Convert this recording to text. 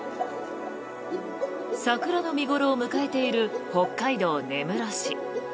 桜の見頃を迎えている北海道根室市。